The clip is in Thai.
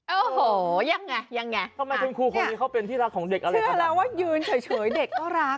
โอ้โหยังไงยังไงทำไมคุณคุณเขาเป็นที่รักของเด็กแล้วว่ายืนเฉยเด็กก็รัก